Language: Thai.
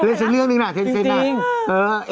เรียกซักเรื่องหนึ่งหน่อยเท็นเซ็นต์น่ะ